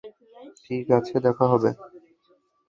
ঠিক আছে, দেখা হবে।